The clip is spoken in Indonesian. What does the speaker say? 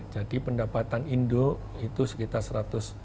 jadi pendapatan indo itu sekitar satu ratus sebelas